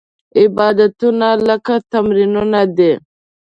عبادتونه لکه تمرینونه دي.